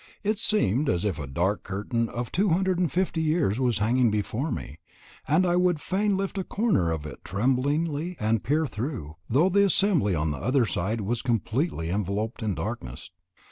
It seemed as if a dark curtain of 250 years was hanging before me, and I would fain lift a corner of it tremblingly and peer through, though the assembly on the other side was completely enveloped in darkness.